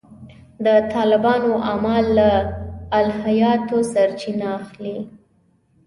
د طالبانو اعمال له الهیاتو سرچینه اخلي.